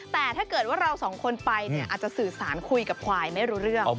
แต่ถ้าเกิดว่าเราสองคนไปเนี่ยอาจจะสื่อสารคุยกับควายไม่รู้เรื่อง